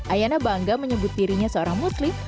ayana bangga menyebut dirinya seorang muslim